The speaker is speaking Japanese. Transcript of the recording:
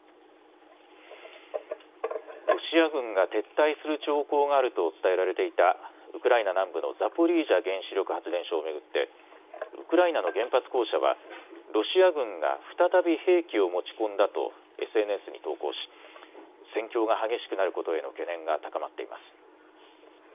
ロシア軍が撤退する兆候があると伝えられていたウクライナ南部のザポリージャ原子力発電所を巡ってウクライナの原発公社はロシア軍が再び兵器を持ち込んだとＳＮＳに投稿し戦況が激しくなることへの懸念が高まっています。